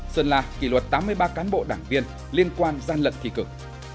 xuân lạc kỷ luật tám mươi ba cán bộ đảng viên liên quan gian lận thị cực